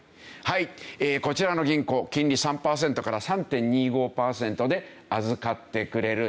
はいこちらの銀行金利３パーセントから３．２５パーセントで預かってくれる。